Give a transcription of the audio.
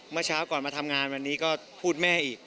เมื่อเช้าก่อนมาทำงานวันนี้ก็พูดแม่อีก